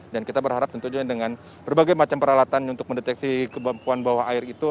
dan kita berharap tentunya dengan berbagai macam peralatan untuk mendeteksi kebampuan bawah air itu